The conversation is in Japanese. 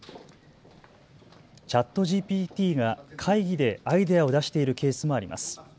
ＣｈａｔＧＰＴが会議でアイデアを出しているケースもあります。